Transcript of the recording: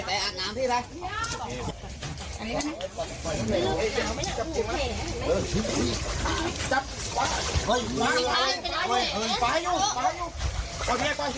จับปูจับหา